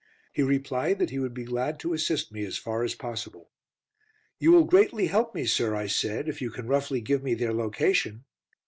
He replied that he would be glad to assist me as far as possible. "You will greatly help me, sir," I said, "if you can roughly give me their location."